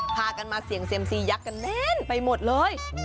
พากันมาเสี่ยงเซียมซียักษ์กันแน่นไปหมดเลย